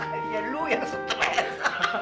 iya lu yang stres